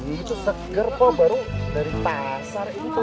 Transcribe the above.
itu seger pak baru dari pasar itu